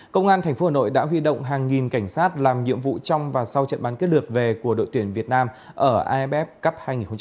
công an thành phố hà nội đã huy động hàng nghìn cảnh sát làm nhiệm vụ trong và sau trận bắn kết lượt về của đội tuyển việt nam ở abf cấp hai nghìn một mươi tám